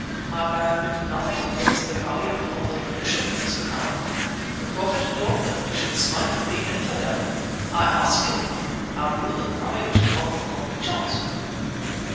"I can admit nothing against the Guardian of the Tradition, Mr. Cavanagh! The Prophet taught that we should smite the Infidel. I ask you—have you the courage of your convictions?"